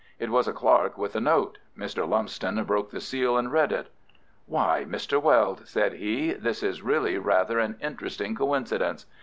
It was a clerk with a note. Mr. Lumsden broke the seal and read it. "Why, Mr. Weld," said he, "this is really rather an interesting coincidence.